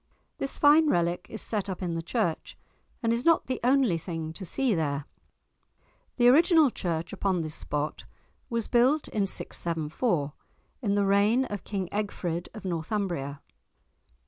This fine relic is set up in the church, and is not the only thing to see there. The original church upon this spot was built in 674, in the reign of King Egfrid of Northumbria.